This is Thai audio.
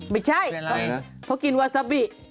ไม่ใช่เพราะกินวาซาบิ